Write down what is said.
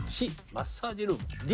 マッサージルーム「Ｄ」